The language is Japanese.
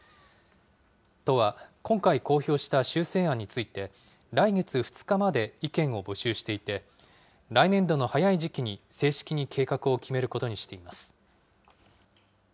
都は、今回公表した修正案について、来月２日まで意見を募集していて、来年度の早い時期に正式に計画を決めることにしています。